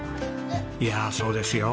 いやそうですよ